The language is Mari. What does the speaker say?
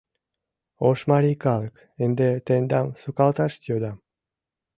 — Ош марий калык, ынде тендам сукалташ йодам.